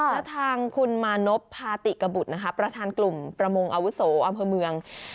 และทางคุณมานพพาติกบุตรนะคะประธานกลุ่มประมงอาวุโสอำเภอเมือง